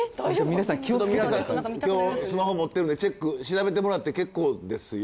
皆さん今日スマホ持ってるんでチェック調べてもらってけっこうですよ。